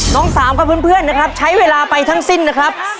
สามกับเพื่อนนะครับใช้เวลาไปทั้งสิ้นนะครับ